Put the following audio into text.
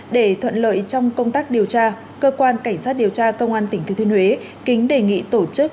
để thuận lợi trong công tác điều tra cơ quan cảnh sát điều tra công an tp huế kính đề nghị tổ chức